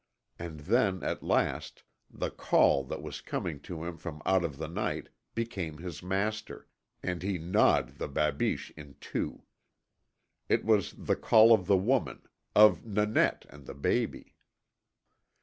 And then at last The Call that was coming to him from out of the night became his master, and he gnawed the babiche in two. It was the call of the Woman of Nanette and the baby.